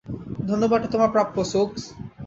ধন্যবাদটা তোমার প্রাপ্য, সোকস।